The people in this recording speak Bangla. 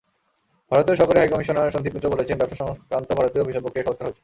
ভারতের সহকারী হাইকমিশনার সন্দীপ মিত্র বলেছেন, ব্যবসাসংক্রান্ত ভারতীয় ভিসাপ্রক্রিয়া সহজ করা হয়েছে।